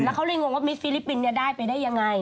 เขาเลยงงว่ามิสฟิลิปปินส์ได้ไปได้ยังไง